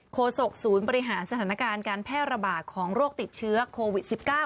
โศกศูนย์บริหารสถานการณ์การแพร่ระบาดของโรคติดเชื้อโควิด๑๙